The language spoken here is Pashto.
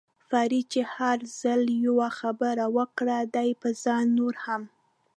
فرید چې به هر ځل یوه خبره وکړه، دې به ځان نور هم.